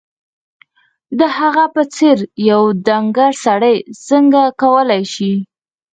د هغه په څېر یو ډنګر سړی څنګه کولای شي